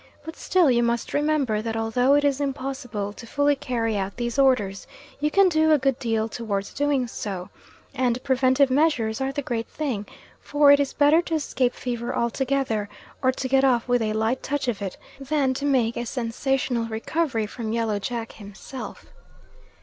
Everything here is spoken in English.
But still you must remember that although it is impossible to fully carry out these orders, you can do a good deal towards doing so, and preventive measures are the great thing, for it is better to escape fever altogether, or to get off with a light touch of it, than to make a sensational recovery from Yellow Jack himself.